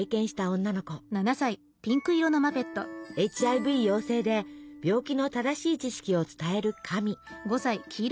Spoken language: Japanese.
ＨＩＶ陽性で病気の正しい知識を伝えるカミ。